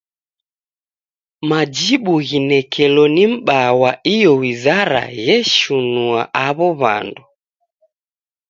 Majibu ghinekelo ni m'baa wa iyo wizara gheshinua aw'o w'andu.